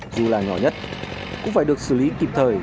dù là nhỏ nhất cũng phải được xử lý kịp thời